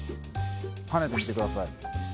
跳ねてみてください